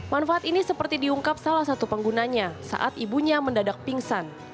manfaat ini seperti diungkap salah satu penggunanya saat ibunya mendadak pingsan